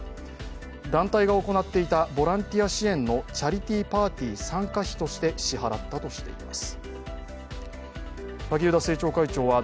団体が行っていたボランティア支援のチャリティーパーティー参加費として支払ったとしています。